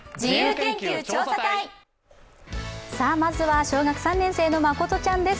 まずは、小学３年生のまことちゃんです。